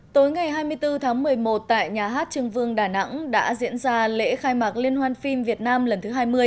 tối ngày hai mươi bốn tháng một mươi một tại nhà hát trưng vương đà nẵng đã diễn ra lễ khai mạc liên hoan phim việt nam lần thứ hai mươi